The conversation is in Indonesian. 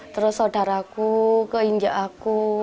terus saudaraku keinjak aku